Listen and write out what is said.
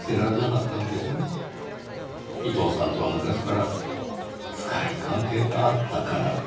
伊藤さんとは昔から深い関係があったから。